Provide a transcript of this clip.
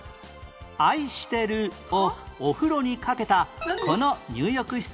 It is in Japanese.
「愛してる」を「お風呂」にかけたこの入浴施設の名前は？